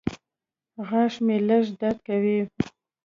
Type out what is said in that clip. غاښ مې لږ درد کوي.